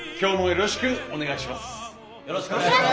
よろしくお願いします。